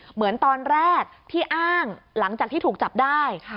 เหมือนตอนแรกที่อ้างหลังจากที่ถูกจับได้